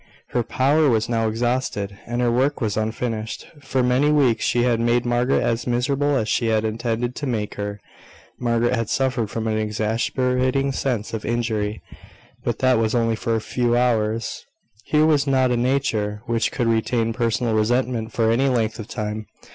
Her power was now exhausted, and her work was unfinished. For many weeks, she had made Margaret as miserable as she had intended to make her. Margaret had suffered from an exasperating sense of injury; but that was only for a few hours. Hers was not a nature which could retain personal resentment for any length of time.